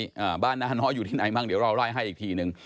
อ่าบ้านน้าน้อยอยู่ที่ไหนบ้างเดี๋ยวเราไล่ให้อีกทีหนึ่ง